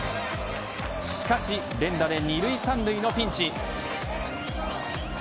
しかし連打で２塁３塁のピンチ。